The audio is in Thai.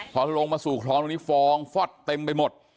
พอลงมาสู่คลองตรงนี้ฟองฟอดเต็มไปหมด